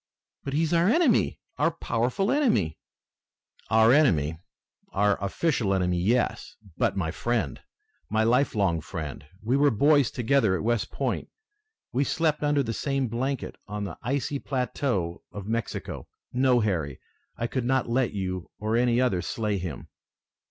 "But he is our enemy! Our powerful enemy!" "Our enemy! Our official enemy, yes! But my friend! My life long friend! We were boys together at West Point! We slept under the same blanket on the icy plateaux of Mexico. No, Harry, I could not let you or any other slay him!"